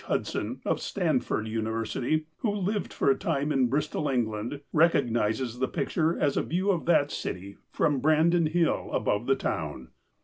Hudson, of Stanford University, who lived for a time in Bristol, England, recognizes the picture as a view of that city from Brandon Hill, above the town.